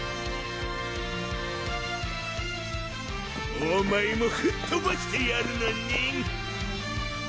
お前もふっとばしてやるのねん！